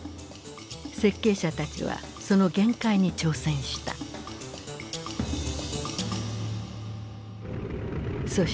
設計者たちはその限界に挑戦した。